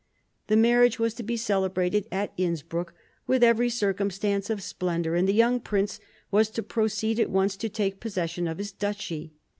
The marriage was to be celebrated at Innsbruck with every circumstance of splendour, and the young prince was t6 proceed at once to take possession of his duchy.